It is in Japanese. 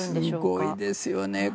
すごいですよね。